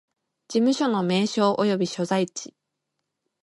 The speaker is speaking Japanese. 事務所の名称及び所在地